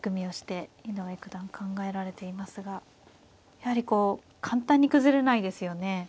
やはりこう簡単に崩れないですよね。